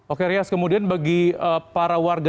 oke rias kemudian bagi para warga